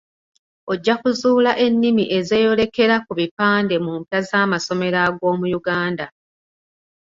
Ojja kuzuula ennimi ez'eyolekera ku bipande mu mpya z'amasomero ag'omu Uganda